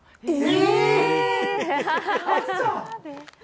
え！